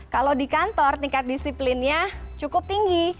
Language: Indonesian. kalau di kantor tingkat disiplinnya cukup tinggi